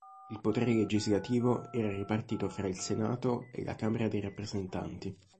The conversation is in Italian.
Il potere legislativo era ripartito fra il Senato e la Camera dei Rappresentanti.